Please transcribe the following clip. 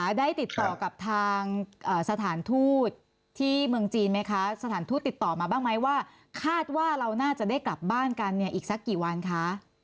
ได้ติดต่อกับทางสถานทูตที่เมืองจีนไหมคะสถานทูตติดต่อมาบ้างไหมว่าคาดว่าเราน่าจะได้กลับบ้านกันเนี่ยอีกสักกี่วันคะ